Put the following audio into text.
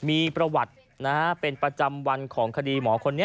มีประวัติเป็นประจำวันของคดีหมอคนนี้